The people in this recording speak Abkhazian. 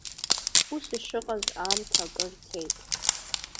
Ус ишыҟаз аамҭа акыр цеит.